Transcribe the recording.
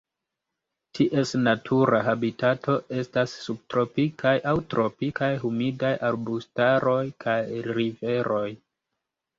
Ties natura habitato estas subtropikaj aŭ tropikaj humidaj arbustaroj kaj riveroj.